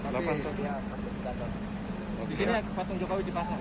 di sini patung jokowi dipasang